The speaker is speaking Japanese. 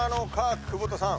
久保田さん